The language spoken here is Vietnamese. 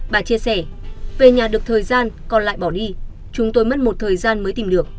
bà chia sẻ về nhà được thời gian còn lại bỏ đi chúng tôi mất một thời gian mới tìm được